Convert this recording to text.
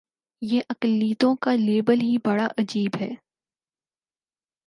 یہ اقلیتوں کا لیبل ہی بڑا عجیب ہے۔